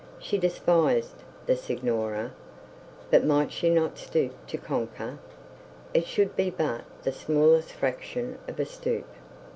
She despised the signora; but might she not stoop to conquer? It should be but the smallest fraction of a stoop!